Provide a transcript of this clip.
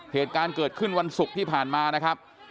เหตุการณ์เกิดขึ้นวันศุกร์ที่ผ่านมานะครับ